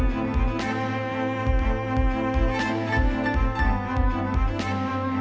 ทุกคนพร้อมแล้วขอเสียงปลุ่มมือต้อนรับ๑๒สาวงามในชุดราตรีได้เลยค่ะ